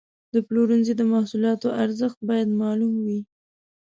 د پلورنځي د محصولاتو ارزښت باید معلوم وي.